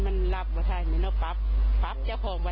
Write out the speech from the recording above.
เฟริธนาพุกปิลุฟาค่ะ